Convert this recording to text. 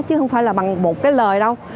chứ không phải là bằng một cái lời đâu